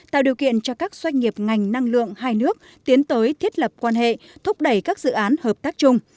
tạo điều kiện cho các doanh nghiệp ngành năng lượng hai nước tiến tới thiết lập quan hệ thúc đẩy các dự án hợp tác chung